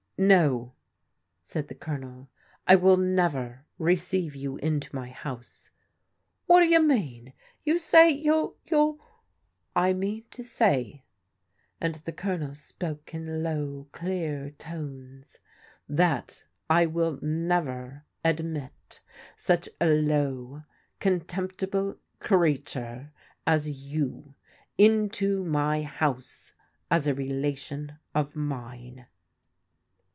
1 " No," said the Colonel, " I will never receive you into my house." " What do you mean? You say youll — ^youTl ''" I mean to say," and the Colonel spoke in low, dear tones, " that I will never admit such a low, contemptible creature as you into my house as a rdation of mine."